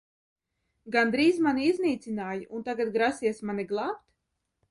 Gandrīz mani iznīcināji un tagad grasies mani glābt?